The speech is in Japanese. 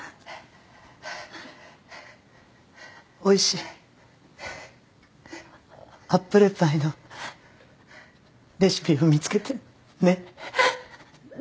おいしいアップルパイのレシピを見つけてね